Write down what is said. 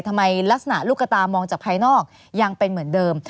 ทำไมลักษณะลูกกระตามองจากภายนอกยังเป็นเหมือนเดิม